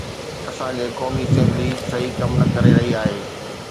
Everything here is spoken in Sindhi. اسان جي قومي اسيمبلي صحيح ڪم نه ڪري رهي آهي.